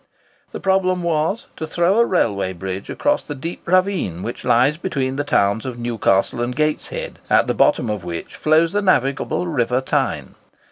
The problem was, to throw a railway bridge across the deep ravine which lies between the towns of Newcastle and Gateshead, at the bottom of which flows the navigable river Tyne.